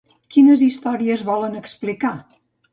Quines històries volen explicar?